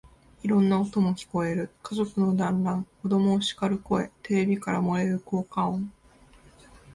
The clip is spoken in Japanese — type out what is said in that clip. いろんな音も聞こえる。家族の団欒、子供をしかる声、テレビから漏れる効果音、